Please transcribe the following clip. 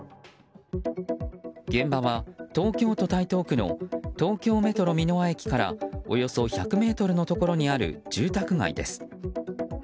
現場は、東京都台東区の東京メトロ三ノ輪駅からおよそ１００ｍのところにある住宅街です。